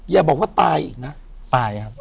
ไม่บอกว่าตายไปแล้ว